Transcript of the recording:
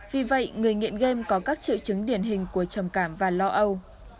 vì vậy người nghiện game có các triệu chứng điển hình của trầm cảm và lo âu